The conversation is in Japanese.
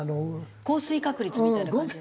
降水確率みたいな感じで。